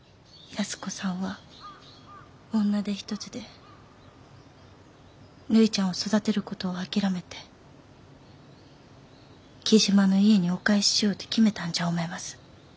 安子さんは女手一つでるいちゃんを育てることを諦めて雉真の家にお返ししようと決めたんじゃ思います。